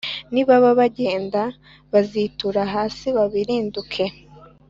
Nibaba bagenda, bazitura hasi, babirinduke,